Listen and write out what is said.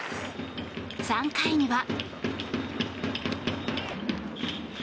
３回には。